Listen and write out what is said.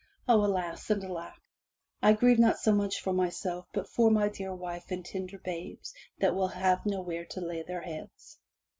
O, alas and alack! I grieve not so much for myself but for my dear wife and tender babes that will have nowhere to lay their heads.